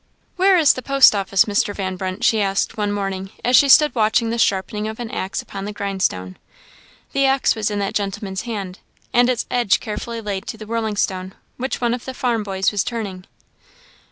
"Where is the post office, Mr. Van Brunt?" she asked, one morning, as she stood watching the sharpening of an axe upon the grindstone. The axe was in that gentleman's hand, and its edge carefully laid to the whirling stone, which one of the farm boys was turning.